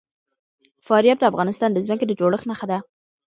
فاریاب د افغانستان د ځمکې د جوړښت نښه ده.